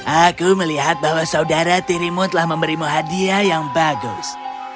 aku melihat bahwa saudara tirimu telah memberimu hadiah yang bagus